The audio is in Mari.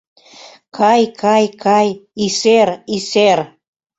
— Кай-кай-кай, исер-исер!